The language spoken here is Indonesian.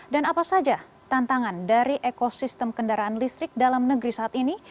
dan apa saja tantangan dari ekosistem kendaraan listrik dalam negeri saat ini